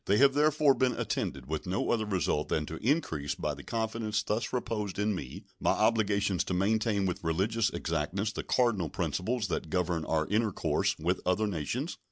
They have therefore been attended with no other result than to increase, by the confidence thus reposed in me, my obligations to maintain with religious exactness the cardinal principles that govern our intercourse with other nations.